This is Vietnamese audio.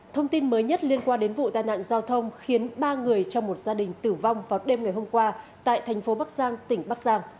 thông tin mới nhất liên quan đến vụ tai nạn giao thông khiến ba người trong một gia đình tử vong vào đêm ngày hôm qua tại thành phố bắc giang tỉnh bắc giang